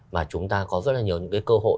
mà chúng ta có rất nhiều cơ hội